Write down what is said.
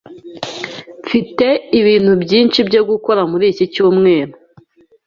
Mfite ibintu byinshi byo gukora muri iki cyumweru.